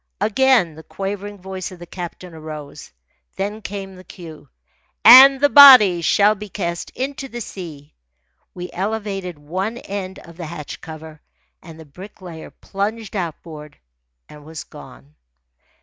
Again the quavering voice of the captain arose. Then came the cue: "And the body shall be cast into the sea." We elevated one end of the hatch cover, and the Bricklayer plunged outboard and was gone.